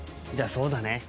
じゃあそうだね